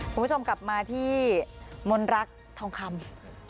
คุณผู้ชมกลับมาที่มนรักทองคำ